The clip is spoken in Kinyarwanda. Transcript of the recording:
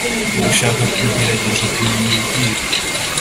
Gushaka kugerageza kumenya ubwiru